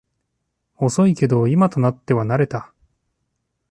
遅いけど今となっては慣れた